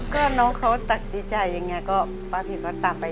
ก็น้องเขาตัดสินใจยังไงก็ป้าผิดก็ตามไป